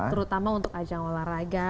terutama untuk ajang olahraga